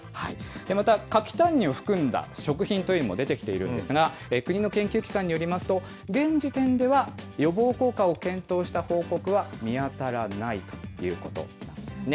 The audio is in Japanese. また、柿タンニンを含んだ食品というのも出てきているんですが、国の研究機関によりますと、現時点では予防効果を検討した報告は見当たらないということなんですね。